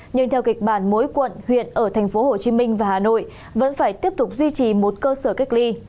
nhưng theo kịch bản mỗi quận huyện ở tp hcm và hà nội vẫn phải tiếp tục duy trì một cơ sở cách ly